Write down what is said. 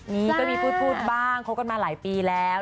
นี่ก็มีพูดบ้างคบกันมาหลายปีแล้ว